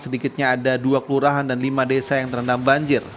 sedikitnya ada dua kelurahan dan lima desa yang terendam banjir